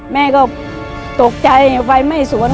แม่ก็ตกใจฝัยไหม้สวน